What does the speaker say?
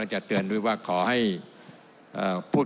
ท่านประธานก็เป็นสอสอมาหลายสมัย